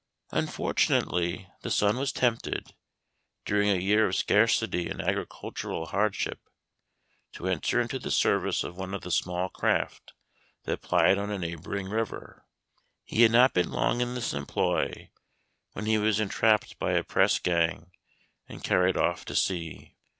Unfortunately, the son was tempted, during a year of scarcity and agricultural hardship, to enter into the service of one of the small craft that plied on a neighboring river. He had not been long in this employ, when he was entrapped by a press gang, and carried off to sea.